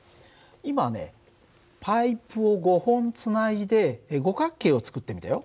今ねパイプを５本つないで五角形を作ってみたよ。